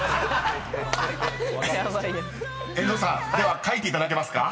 ［遠藤さんでは書いていただけますか？］